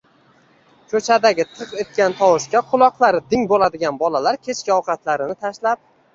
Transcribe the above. Koʼchadagi tiq etgan tovushga quloqlari ding boʼladigan bolalar kechki ovqatlarini tashlab